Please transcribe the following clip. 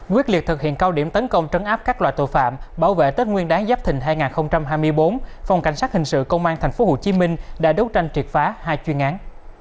quyết liệt thực hiện cao điểm tấn công trấn áp các loại tội phạm bảo vệ tết nguyên đáng giáp thình hai nghìn hai mươi bốn phòng cảnh sát hình sự công an tp hcm đã đấu tranh triệt phá hai chuyên án